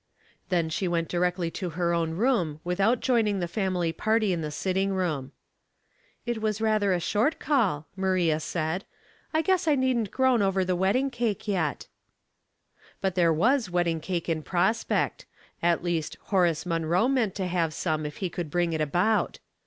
Then she went directly to her own room without joining the family party in the sitting voom. " It was rather a short call," Maria said. *' T guess I needn't groan over the wedding cake yet." But there was wedding cake in prospect ; at least Horace Munro3 meant to have some if he could bring it about.